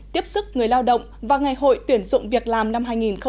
tiếp sức người lao động và ngày hội tuyển dụng việc làm năm hai nghìn một mươi chín